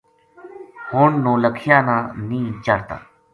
ہن نو لکھیا نا نیہہ چاڑھتا